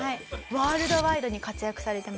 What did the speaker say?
ワールドワイドに活躍されてます。